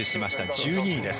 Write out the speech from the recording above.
１２位です。